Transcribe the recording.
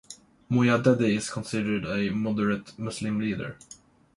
Mojaddedi is considered a moderate Muslim leader.